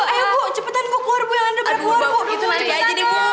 ayo bu cepetan gue keluar bu yang ada berantem